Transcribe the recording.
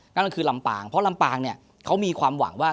นั่นก็คือลำปางเพราะลำปางเนี่ยเขามีความหวังว่า